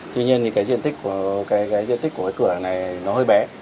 tuy nhiên thì cái diện tích của cái cửa này nó hơi bé